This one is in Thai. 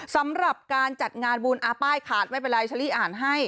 สำหรับการจัดงานบุญป้ายขาดไม่เป็นไรเชอรี่อ่านให้